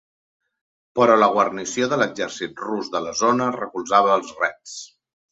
Però la guarnició de l'exèrcit rus de la zona recolzava els Reds.